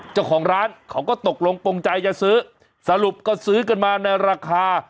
เจ้าของร้านเขาก็ตกลงปงใจจะซื้อสรุปก็ซื้อกันมาในราคา